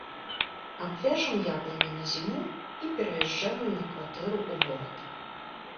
Абвяжам яблыні на зіму, і пераязджаю на кватэру ў горад.